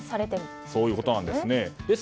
そういうことですね。